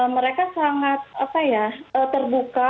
mereka sangat terbuka